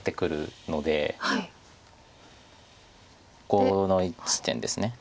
この地点です。